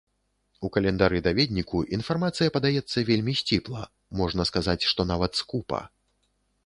У календары-даведніку інфармацыя падаецца вельмі сціпла, можна сказаць, што нават скупа.